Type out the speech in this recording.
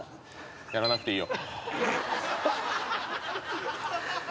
やらなくていいよ」